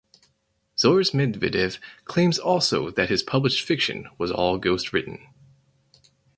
Zhores Medvedev claims also that his published fiction was all ghost written.